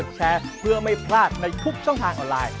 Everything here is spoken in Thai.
สวัสดีครับ